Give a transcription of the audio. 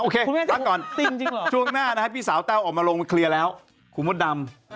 พักก่อนช่วงหน้านะฮะพี่สาวแต้วออกมาลงมาเคลียร์แล้วคุณมดดำ